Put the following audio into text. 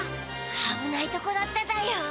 あぶないとこだっただよ。